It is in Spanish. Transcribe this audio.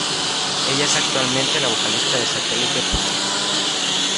Ella es actualmente la vocalista de Satellite Party.